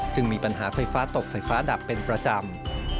มีปัญหาไฟฟ้าตกไฟฟ้าดับเป็นประจำ